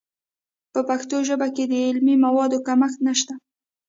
په پښتو ژبه کې د علمي موادو کمښت نشته.